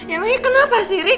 emang ini kenapa sih rick